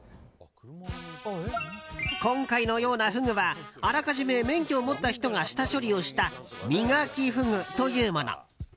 今回のようなフグはあらかじめ免許を持った人が下処理をした身欠きフグというもの。